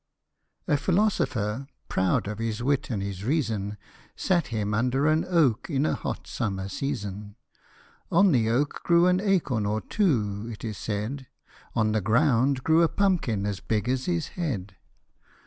A PHILOSOPHER, proud of his wit and his reason, Sat him under an oak in a hot summer season. On the oak grew an acorn or two, it is said : On the ground grew a pumpkin as big as his head.